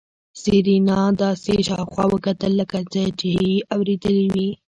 سېرېنا داسې شاوخوا وکتل لکه څه چې يې اورېدلي وي.